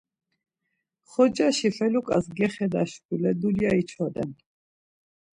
Xocaşi feluǩas gexeda şkule dulya içoden.